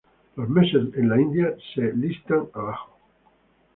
Los meses en la India se listan abajo.